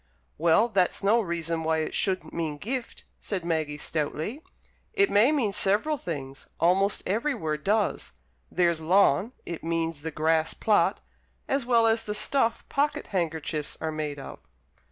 '" "Well, that's no reason why it shouldn't mean 'gift,'" said Maggie, stoutly. "It may mean several things almost every word does. There's 'lawn' it means the grass plot, as well as the stuff pocket handkerchiefs are made of."